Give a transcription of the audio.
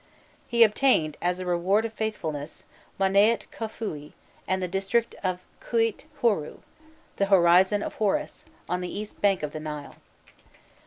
He obtained, as a reward of faithfulness, Monâît Khûfûi and the district of Khûît Horû, "the Horizon of Horus," on the east bank of the Nile.